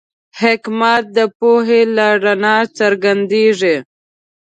حکمت د پوهې له رڼا څرګندېږي.